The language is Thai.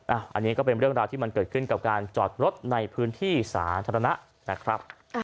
อันนี้ก็เป็นเรื่องราวที่มันเกิดขึ้นกับการจอดรถในพื้นที่สาธารณะนะครับ